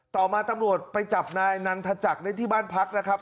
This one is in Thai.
ต่อมาตำรวจไปจับนายนันทจักรได้ที่บ้านพักนะครับ